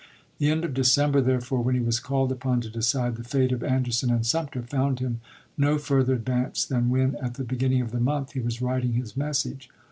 The end of December, therefore, when he was called upon to decide the fate of Anderson and Sumter, found him no further ad vanced than when, at the beginning of the month, he Was writing his message.